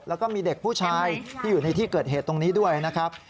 แล้วก็มีเด็กผู้ชายที่อยู่ในที่เกิดเหตุตรงนี้ด้วยนะครับ